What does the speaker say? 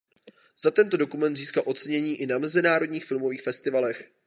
Za tento dokument získal ocenění i na mezinárodních filmových festivalech.